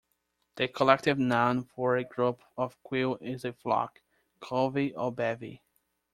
The collective noun for a group of quail is a flock, covey or bevy.